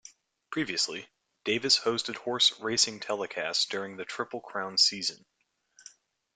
Previously, Davis hosted horse racing telecasts during the Triple Crown season.